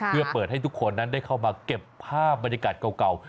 เพื่อเปิดให้ทุกคนนั้นได้เข้ามาเก็บภาพบรรยากาศเก่า